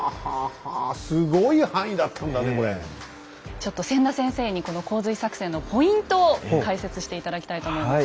ちょっと千田先生にこの洪水作戦のポイントを解説して頂きたいと思います。